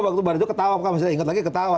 waktu baru ketawa ingat lagi ketawa